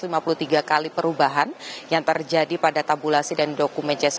itu tiba tiba karena tiba tiba ada beberapa perubahan yang terjadi pada tabulasi dan dokumen c satu